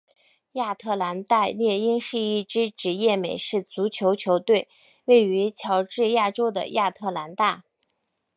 亚特兰大猎鹰是一支职业美式足球球队位于乔治亚州的亚特兰大。